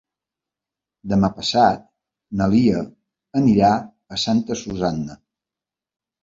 Demà passat na Lia anirà a Santa Susanna.